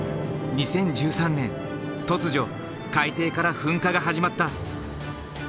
２０１３年突如海底から噴火が始まった。